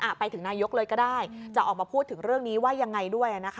ไปถึงนายกเลยก็ได้จะออกมาพูดถึงเรื่องนี้ว่ายังไงด้วยนะคะ